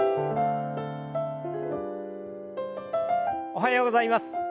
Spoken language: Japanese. おはようございます。